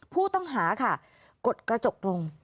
ผู้ต้องหาค่ะกดกระจกลง